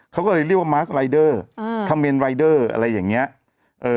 เขาก็เลยเรียกว่ามาร์คไลเดอร์เอออะไรอย่างเงี้ยเอ่อ